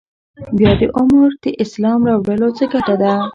بیا د عمر د اسلام راوړلو څه ګټه ده.